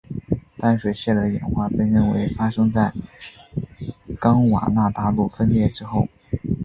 淡水蟹的演化被认为发生在冈瓦纳大陆分裂之后。